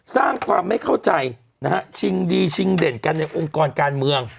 สร้างความไม่เข้าใจนะฮะชิงดีชิงเด่นกันในองค์กรการเมือง